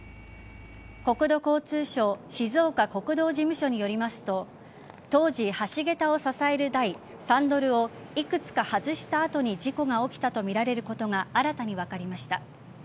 国土交通省静岡国道事務所によりますと当時、橋げたを支える台サンドルをいくつか外した後に事故が起きたとみられることが新たに分かりました。